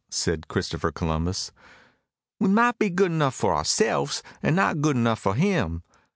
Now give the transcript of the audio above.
said Christopher Columbus. "We's might be good nuff fur ourseffs, an' not good nuff fur him.